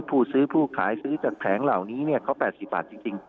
ผู้ซื้อผู้ขายซื้อจากแผงเหล่านี้เขา๘๐บาทจริง